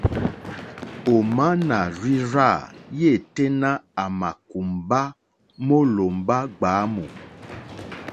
Ò má nà rzí rzâ yêténá à mà kùmbá mólòmbá gbǎmù.